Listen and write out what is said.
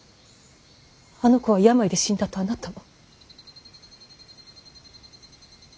あの子は病で死んだとあなたは。